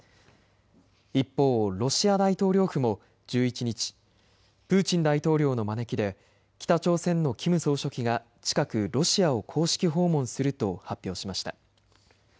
一方、ロシア大統領府も１１日、プーチン大統領の招きで北朝鮮のキム総書記が近くロシアを公式訪問すると発表しました。